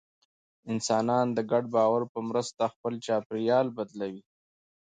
انسانان د ګډ باور په مرسته خپل چاپېریال بدلوي.